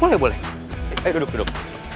boleh boleh ayo duduk duduk